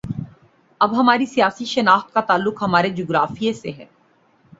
اب ہماری سیاسی شناخت کا تعلق ہمارے جغرافیے سے ہے۔